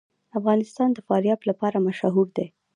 افغانستان د فاریاب لپاره مشهور دی.